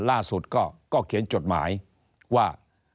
ล่าสุดก็เขียนจดหมายว่า